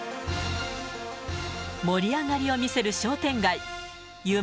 盛り上がりを見せる商店街。